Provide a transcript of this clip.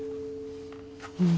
うん。